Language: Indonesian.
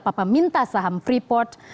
papa minta saham freeport